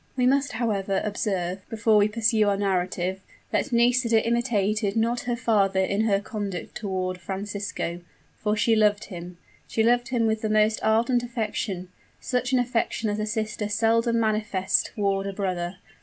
We must, however, observe, before we pursue our narrative, that Nisida imitated not her father in her conduct toward Francisco; for she loved him she loved him with the most ardent affection such an affection as a sister seldom manifests toward a brother.